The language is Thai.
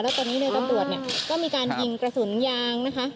แล้วตอนนี้ในตำรวจเนี่ยก็มีการยิงกระสุนยางนะคะ